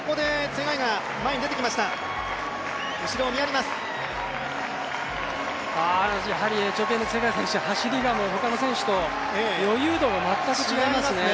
ツェガイ選手、走りがほかの選手と余裕度が全く違いますね。